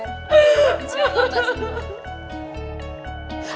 insya allah mbak sembuh